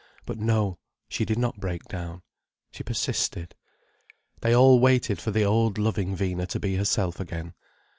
But no—she did not break down. She persisted. They all waited for the old loving Vina to be herself again.